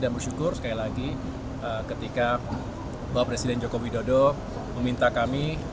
dan bersyukur sekali lagi ketika bapak presiden jokowi dodo meminta kami